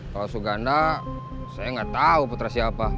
kalau suganda saya nggak tahu putra siapa